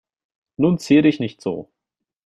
Nun zier dich nicht so.